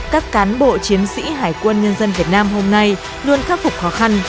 các cán bộ chiến sĩ hải quân nhân dân việt nam hôm nay luôn khắc phục khó khăn